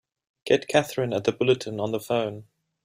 Get Katherine at the Bulletin on the phone!